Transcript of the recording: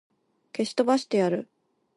消し飛ばしてやる!